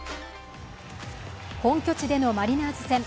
本拠地でのマリナーズ戦。